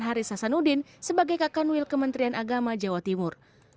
haris hasanuddin sebagai kakanwil kementerian agama jawa timur